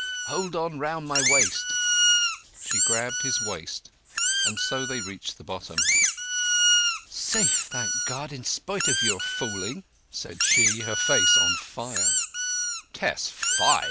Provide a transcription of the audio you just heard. Hold on round my waist!" She grasped his waist, and so they reached the bottom. "Safe, thank God, in spite of your fooling!" said she, her face on fire. "Tess—fie!